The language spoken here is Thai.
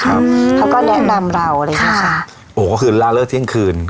เขาก็แนะนำเราอะไรอย่างเงี้ยค่ะโอ้โหก็คือล่าเลิกเที่ยงคืน